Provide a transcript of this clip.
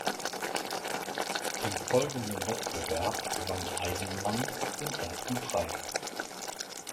Im folgenden Wettbewerb gewann Eisenman den ersten Preis.